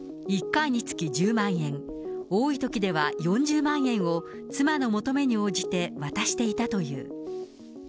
１回につき１０万円、多いときでは４０万円を、妻の求めに応じて渡していたという。